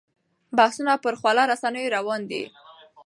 بحثونه پر خواله رسنیو روان دي.